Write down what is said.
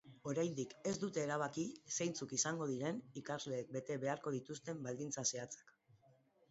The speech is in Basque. Oraindik ez dute erabaki zeintzuk izango diren ikasleek bete beharko dituzten baldintza zehatzak.